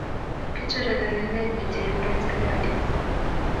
kiturei kayanet ne tiengei tilyandit